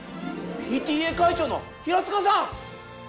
ＰＴＡ会長の平塚さん！